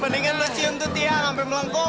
mendingan lu cium tuh tiang sampe melengkung